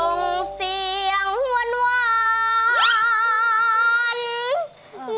ส่งเสียงหวาน